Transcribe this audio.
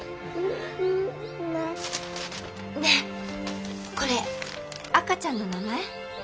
ねえこれ赤ちゃんの名前？